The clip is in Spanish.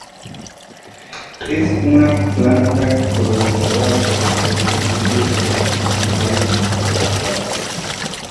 Es una planta colonizadora, por lo que es frecuente en los encinares aclarados.